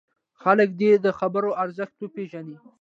خلک دې د خبرو ارزښت وپېژني.